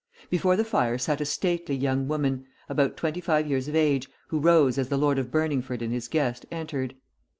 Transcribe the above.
Before the fire sat a stately young woman, about twenty five years of age, who rose as the Lord of Burningford and his guest entered.